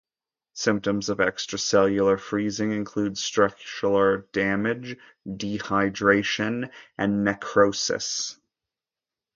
Symptoms of extracellular freezing include structural damage, dehydration, and necrosis.